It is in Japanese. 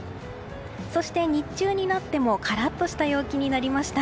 そして、日中になってもカラッとした陽気になりました。